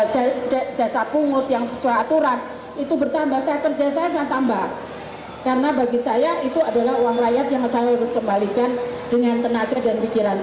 jadi mulai dari kedisiplinan